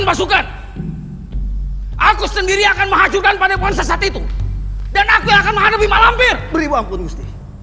beri wampun gusti